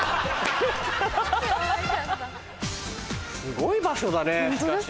すごい場所だねしかし。